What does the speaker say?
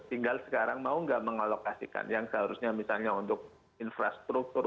tinggal sekarang mau nggak mengalokasikan yang seharusnya misalnya untuk infrastruktur